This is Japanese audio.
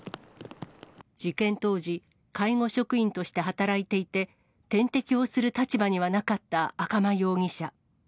事件当時、介護職員として働いていて、点滴をする立場にはなかった赤間容疑者。